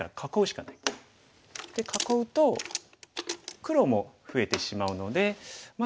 囲うと黒も増えてしまうのでまあ